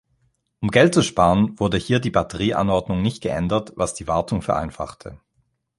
Um Geld zu sparen, wurde hier die Batterie-Anordnung nicht geändert, was die Wartung vereinfachte.